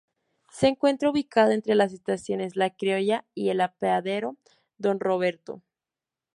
Se encuentra ubicada entre las estaciones La Criolla y el Apeadero Don Roberto.